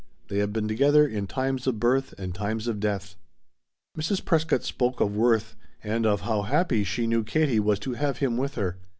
They had been together in times of birth and times of death. Mrs. Prescott spoke of Worth, and of how happy she knew Katie was to have him with her.